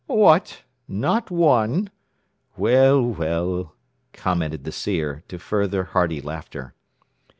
What? Not one? Well, well," commented the seer, to further hearty laughter.